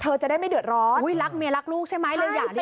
เธอจะได้ไม่เดือดร้อนหุ้ยรักเมียรักลูกใช่ไหมเลยหย่าดีกว่า